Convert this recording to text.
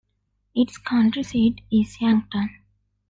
Its county seat is Yankton.